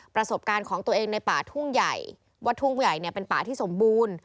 ประสบการณ์ของตัวเองในป่าทุ่งใหญ่วัดทุ่งใหญ่เนี่ยเป็นป่าที่สมบูรณ์